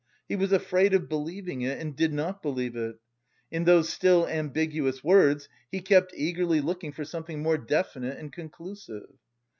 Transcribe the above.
He was afraid of believing it and did not believe it. In those still ambiguous words he kept eagerly looking for something more definite and conclusive.